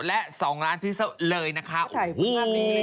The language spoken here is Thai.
และ๒ล้านพิกเซลเลยนะคะโอ้โห